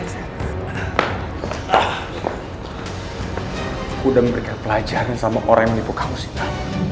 aku sudah memberikan pelajaran kepada orang yang menipu kamu sinta